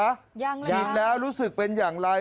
ยังละครับใช่ค่ะฉีดแล้วรู้สึกเป็นอย่างไร